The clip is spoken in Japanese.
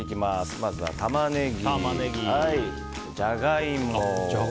まずはタマネギ、ジャガイモ。